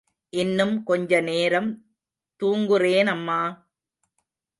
இன்னும் கொஞ்ச நேரம் தூங்குறேம்மா!